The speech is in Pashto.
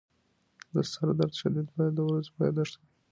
د سردرد شدت باید د ورځې په یادښت کې وي.